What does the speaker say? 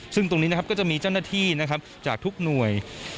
ซึ่งตรงนี้ก็จะมีเจ้าหน้าที่จากทุกหน่วย